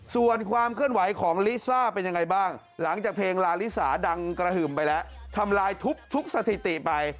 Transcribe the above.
ส่วนความเคลื่อนไหวของลิซ่าเป็นยังไงบ้างหลังจากเพลงลาลิสาดังกระหึ่มไปแล้วทำลายทุบทุกสถิติไป